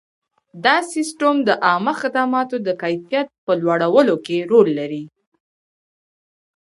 دا سیستم د عامه خدماتو د کیفیت په لوړولو کې رول لري.